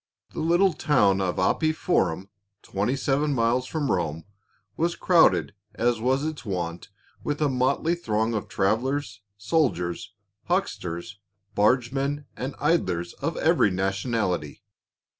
THE little town of Appii Forum, twenty seven miles from Rome, was crowded as was its wont with a motley throng of travelers, soldiers, huck sters, bargemen, and idlers of every nationality.